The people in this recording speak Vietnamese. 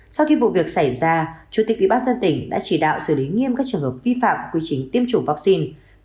sau khi vụ việc xảy ra chủ tịch ủy ban dân tỉnh đã chỉ đạo xử lý nghiêm các trường hợp vi phạm quy trình tiêm chủng vaccine